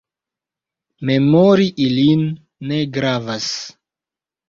Memori ilin ne gravas.